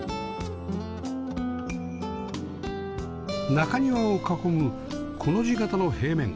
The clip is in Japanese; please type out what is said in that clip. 中庭を囲むコの字形の平面